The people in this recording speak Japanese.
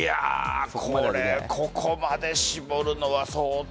ここまで絞るのは相当。